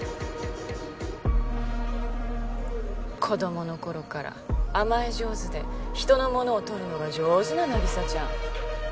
子どもの頃から甘え上手で人のものをとるのが上手な凪沙ちゃん。